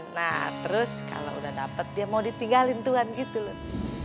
nah terus kalau sudah dapat dia mau ditinggalkan tuhan gitu loh